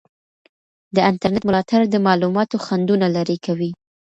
د انټرنیټ ملاتړ د معلوماتو خنډونه لرې کوي.